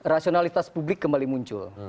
rasionalitas publik kembali muncul